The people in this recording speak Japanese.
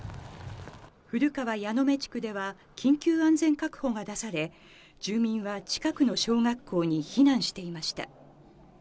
古川矢目地区では、緊急安全確保が出され、住民は近くの小学校に避難していました。